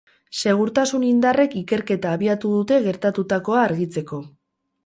Segurtasun-indarrek ikerketa abiatu dute gertatutakoa argitzeko.